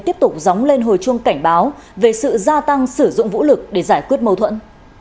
tiếp tục dóng lên hồi chuông cảnh báo về sự gia tăng sử dụng vũ lực để giải quyết mâu thuẫn